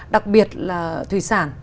đặc biệt là thủy sản